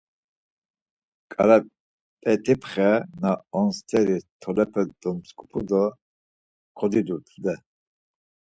Ǩarap̌et̆ipxe na on st̆eri tolepe dumtzupu do kodidu tude.